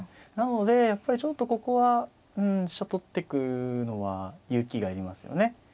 なのでやっぱりちょっとここは飛車取ってくのは勇気がいりますよね。